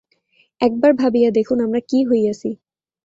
একবার ভাবিয়া দেখুন, আমরা কি হইয়াছি।